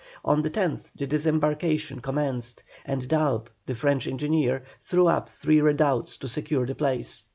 On the 10th the disembarkation commenced, and D'Albe, the French engineer, threw up three redoubts to secure the place.